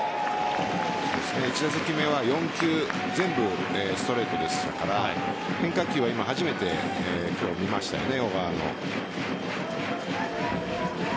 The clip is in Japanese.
１打席目は４球全部ストレートでしたから変化球は今、初めて今日、見ましたよね。